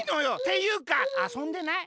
ていうかあそんでない？